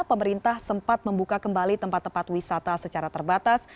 pemerintah sempat membuka kembali tempat tempat wisata secara terbatas